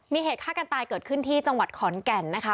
มีเหตุฆ่ากันตายเกิดขึ้นที่จังหวัดขอนแก่นนะคะ